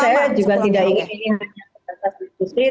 tapi saya juga tidak ingin hanya pertemuan diskusi